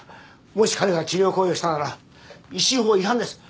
もし彼が治療行為をしたなら医師法違反です。